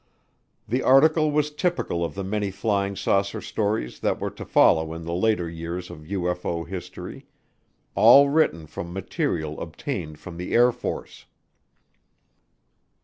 The article was typical of the many flying saucer stories that were to follow in the later years of UFO history, all written from material obtained from the Air Force.